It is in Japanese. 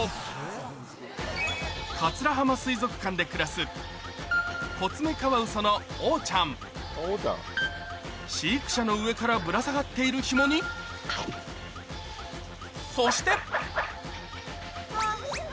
で暮らすコツメカワウソの飼育舎の上からぶら下がっているヒモにそして！